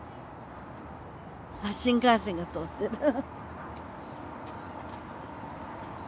あ新幹線が通ってる。